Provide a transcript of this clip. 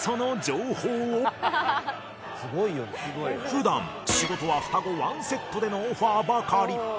普段仕事は双子１セットでのオファーばかり